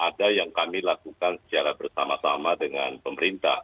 ada yang kami lakukan secara bersama sama dengan pemerintah